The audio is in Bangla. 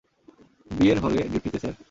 বিয়ের হলে ডিউটিতে, স্যার।